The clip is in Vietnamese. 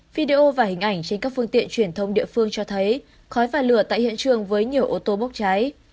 video và hình ảnh trên các phương tiện truyền thông địa phương cho thấy khói và lửa tại hiện trường với nhiều ô tô bốc cháy